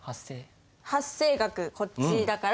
発生額こっちだから。